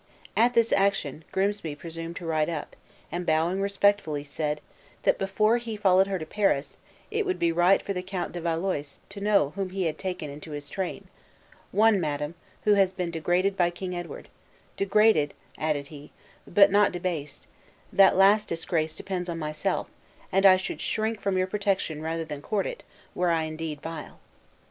At this action, Grimsby presumed to ride up, and bowing respectfully, said, that before he followed her to Paris, it would be right for the Count de Valois to know whom he had taken into his train; "one, madam, who has been degraded by King Edward; degraded," added he, "but not debased; that last disgrace depends on myself; and I should shrink from your protection rather than court it, were I indeed vile."